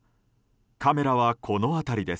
カメラは、この辺りです。